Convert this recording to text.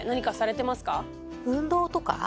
運動とか？